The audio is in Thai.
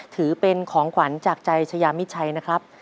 ถือเป็นของขวัญจากใจชายามิดชัยนะครับ